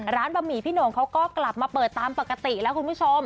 บะหมี่พี่หน่งเขาก็กลับมาเปิดตามปกติแล้วคุณผู้ชม